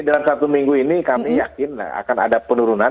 dalam satu minggu ini kami yakin akan ada penurunan